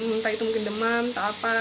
entah itu mungkin demam atau apa